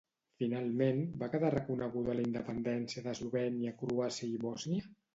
Finalment va quedar reconeguda la independència d'Eslovènia, Croàcia i Bòsnia?